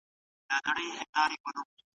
مذهبي ازادي انسان ته روحي خپلواکي بخښي.